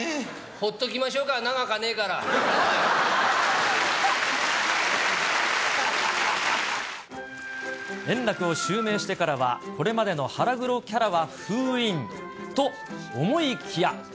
ほっときましょうか、長くはねえから。円楽を襲名してからは、これまでの腹黒キャラは封印と思いきや。